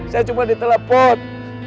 saya cuma di telepon